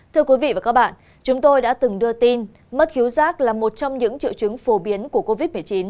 thưa quý vị và các bạn chúng tôi đã từng đưa tin mất thiếu rác là một trong những triệu chứng phổ biến của covid một mươi chín